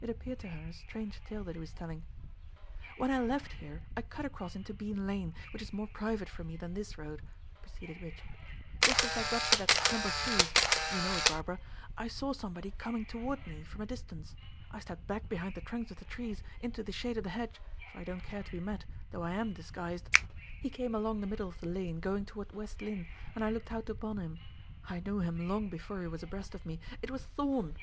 It appeared to her a strange tale that he was telling. "When I left here, I cut across into Bean lane, which is more private for me than this road," proceeded Richard. "Just as I got to that clump of trees you know it, Barbara I saw somebody coming toward me from a distance. I stepped back behind the trunks of the trees, into the shade of the hedge, for I don't care to be met, though I am disguised. He came along the middle of the lane, going toward West Lynne, and I looked out upon him. I knew him long before he was abreast of me; it was Thorn."